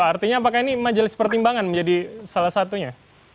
artinya apakah ini majelis pertimbangan menjadi salah satunya